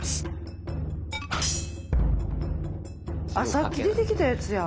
さっき出てきたやつや。